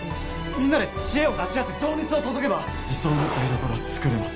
「みんなで知恵を出し合って情熱を注げば理想の台所は作れます」